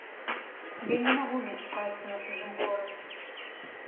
Я не магу мець шчасця на чужым горы.